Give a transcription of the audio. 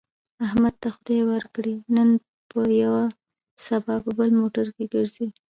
احمد ته خدای ورکړې، نن په یوه سبا په بل موټر کې ګرځي.